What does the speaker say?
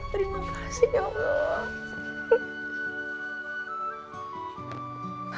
terima kasih ya allah